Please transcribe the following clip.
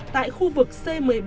tại khu vực c một mươi ba